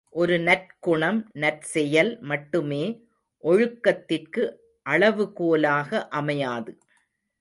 ஒரு நற்குணம், நற்செயல் மட்டுமே ஒழுக்கத்திற்கு அளவு கோலாக அமையாது.